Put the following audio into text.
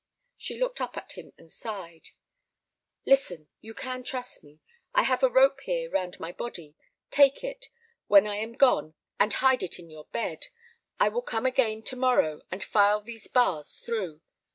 She looked up at him and sighed. "Listen: you can trust me. I have a rope here round my body; take it, when I am gone, and hide it in your bed. I will come again to morrow and file these bars through.